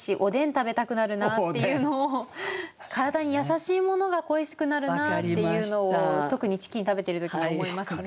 食べたくなるなっていうのを体に優しいものが恋しくなるなっていうのを特にチキンを食べてる時に思いますね。